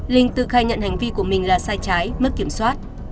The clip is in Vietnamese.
linh tự khai nhận hành vi của mình là sai trái mất kiểm soát